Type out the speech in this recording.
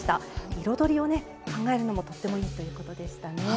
彩りをね考えるのもとてもいいということでしたね。